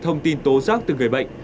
thông tin tố giác từ người bệnh